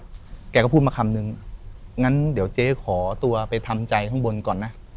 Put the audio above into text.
ก็ออกไปแล้วก็แก็ก็พูดมาคำนึงงั้นเดี๋ยวเจ๊ขอตัวไปทำใจข้างบนก่อนนะ